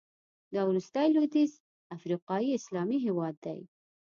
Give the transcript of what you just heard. دا وروستی لوېدیځ افریقایي اسلامي هېواد دی.